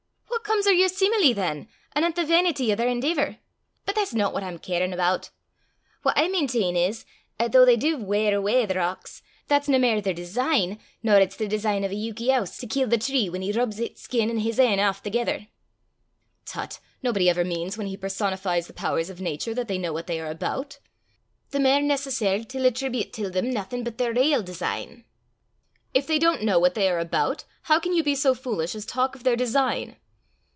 "What comes o' yer seemile than, anent the vainity o' their endeevour? But that's no what I'm carin' aboot. What I mainteen is, 'at though they div weir awa the rocks, that's nae mair their design nor it's the design o' a yeuky owse to kill the tree whan he rubs hit's skin an' his ain aff thegither." "Tut! nobody ever means, when he personifies the powers of nature, that they know what they are about." "The mair necessar' till attreebute till them naething but their rale design." "If they don't know what they are about, how can you be so foolish as talk of their design?"